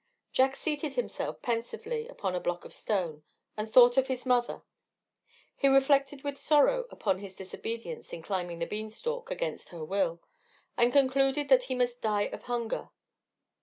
Jack seated himself pensively upon a block of stone, and thought of his mother; he reflected with sorrow upon his disobedience in climbing the bean stalk against her will, and concluded that he must die of hunger.